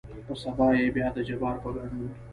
په سبا يې بيا دجبار په ګدون